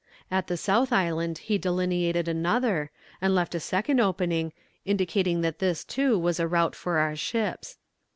At the south island he delineated another, and left a second opening, indicating that this too was a route for our ships.